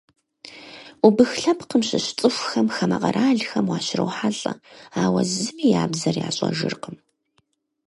Убых лъэпкъым щыщ цӏыхухэм хамэ къэралхэм уащрохьэлӏэ, ауэ зыми я бзэр ящӏэжыркъым.